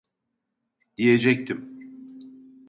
Diyecektim